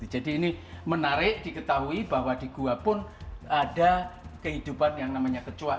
jadi ini menarik diketahui bahwa di gua pun ada kehidupan yang namanya kecoa